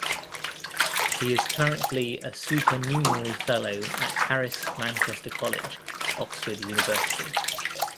He is currently a supernumerary fellow at Harris Manchester College, Oxford University.